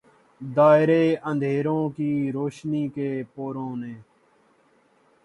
دائرے اندھیروں کے روشنی کے پوروں نے